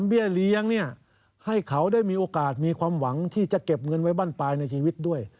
เบี้ยเลี้ยงเนี่ยให้เขาได้มีโอกาสมีความหวังที่จะเก็บเงินไว้บ้านปลายในชีวิตด้วย